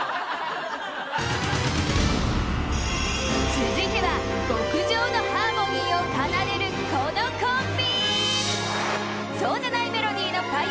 続いては極上のハーモニーを奏でるこのコンビ！